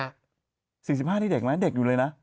๔๕นี่เด็กไหมเด็กอยู่เลยนะ